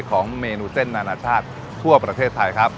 ของเมนูเส้นนานาชาติทั่วประเทศไทยครับ